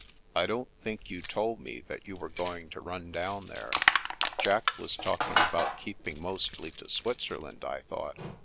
" I don't think you told me that you were going to run down there. Jack was talking about keeping mostly to Switzerland, I thought."